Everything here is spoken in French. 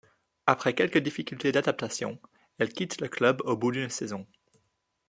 Après quelques difficultés d'adaptation, elle quitte le club au bout d'une saison.